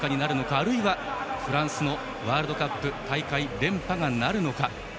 あるいはフランスのワールドカップ大会連覇なるか。